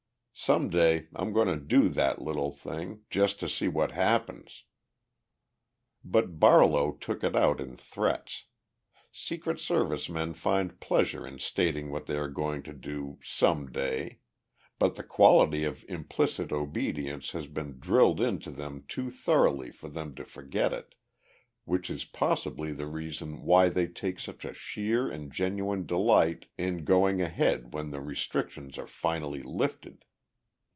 Some day I'm going to do that little thing, just to see what happens." But Barlow took it out in threats. Secret Service men find pleasure in stating what they are going to do "some day" but the quality of implicit obedience has been drilled into them too thoroughly for them to forget it, which is possibly the reason why they take such a sheer and genuine delight in going ahead when the restrictions are finally lifted.